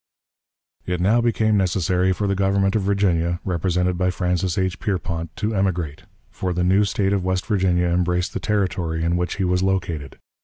It now became necessary for the Government of Virginia, represented by Francis H. Pierpont, to emigrate; for the new State of West Virginia embraced the territory in which he was located.